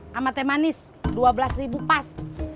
sama teh manis dua belas pas